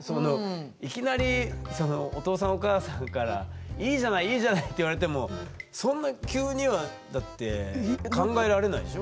いきなりお父さんお母さんから「いいじゃないいいじゃない」って言われてもそんな急にはだって考えられないでしょ？